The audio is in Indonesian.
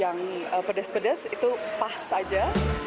yang pedes pedes itu pas aja